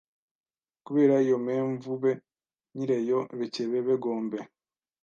kubere iyo mpemvu be nyireyo bekebe begombe